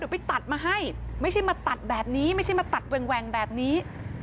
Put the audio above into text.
ไปตัดมาให้ไม่ใช่มาตัดแบบนี้ไม่ใช่มาตัดแหว่งแบบนี้